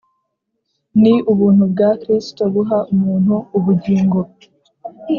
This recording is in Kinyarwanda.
Ni ubuntu bwa Kristo buha umuntu ubugingo